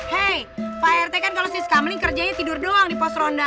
hei pak rt kan kalau siskamling kerjanya tidur doang di pos ronda